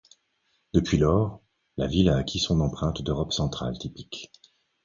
Depuis lors, la ville a acquis son empreinte d’Europe centrale typique.